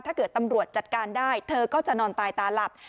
ถ้าเกิดตำรวจจัดการได้เธอก็จะนอนตายตาหลับ